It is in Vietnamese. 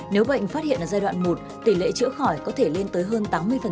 nếu bệnh phát hiện ở giai đoạn một tỷ lệ chữa khỏi có thể lên tới hơn tám mươi